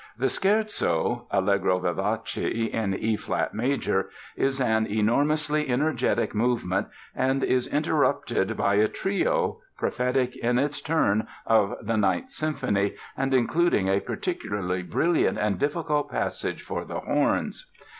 The Scherzo ("Allegro vivace" in E flat major) is an enormously energetic movement and is interrupted by a Trio, prophetic in its turn of the Ninth Symphony and including a particularly brilliant and difficult passage for the horns.